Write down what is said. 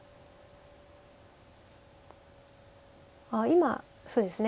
今そうですね。